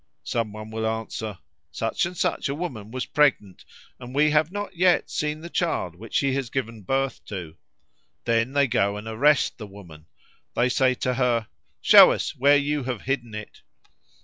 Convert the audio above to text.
Some one will answer, 'Such and such a woman was pregnant and we have not yet seen the child which she has given birth to.' Then they go and arrest the woman. They say to her, 'Show us where you have hidden it.'